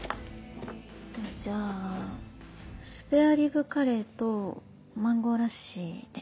じゃあスペアリブカレーとマンゴーラッシーで。